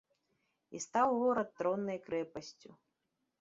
І стаў горад троннай крэпасцю.